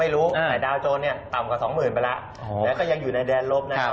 แล้วก็ยังอยู่ในแดนลบนะครับ